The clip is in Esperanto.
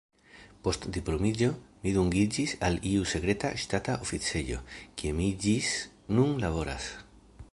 Post diplomiĝo mi dungiĝis al iu sekreta ŝtata oficejo, kie mi ĝis nun laboras.